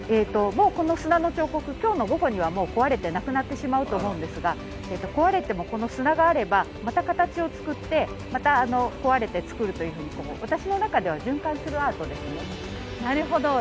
この砂の彫刻、今日の午後には、壊れてなくなってしまうと思うんですが、壊れて、この砂があればまた形を作って、また壊れて作るというふうに私の中では循環するアートですね。